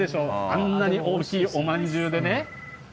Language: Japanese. あんなに大きいおまんじゅうでね。